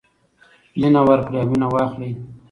مینه ورکړئ او مینه واخلئ.